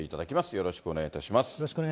よろしくお願いします。